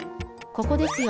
ここですよ。